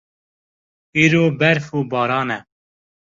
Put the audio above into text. Îro berf û baran e.